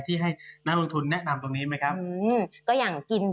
พี่หนิงครับส่วนตอนนี้เนี่ยนักลงทุนแล้วนะครับเพราะว่าระยะสั้นรู้สึกว่าทางสะดวกนะครับ